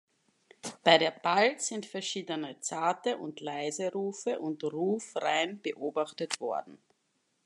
Bei der Balz sind verschiedene, zarte und leise Rufe und Rufreihen beobachtet worden.